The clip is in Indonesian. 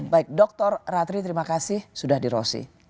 baik dr ratri terima kasih sudah di rosi